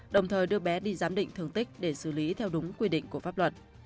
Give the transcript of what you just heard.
đồng thời đưa bé đi giám định thường tích để xử lý theo đúng quy định của pháp luật